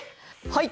はい。